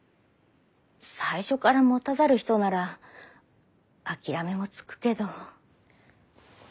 最初から持たざる人なら諦めもつくけど。